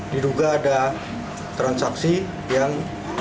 diduga ada transaksi yang